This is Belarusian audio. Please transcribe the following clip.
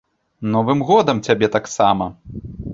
Новым годам цябе таксама!